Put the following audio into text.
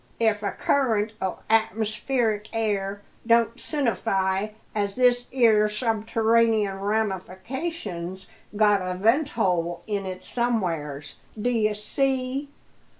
if a current o' atmospheric air don't sinnify as this 'ere subterraneous ramification's got a venthole in it somewheres, d'ye see!"